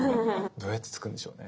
どうやって作るんでしょうね。